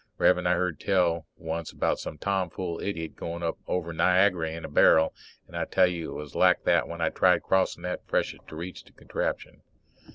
Rev'rend, I heard tell once about some tomfool idiot going over Niagary in a barrel, and I tell you it was like that when I tried crossin' that freshet to reach the contraption.